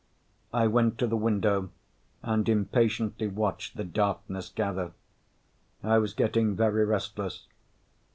I went to the window and impatiently watched the darkness gather. I was getting very restless.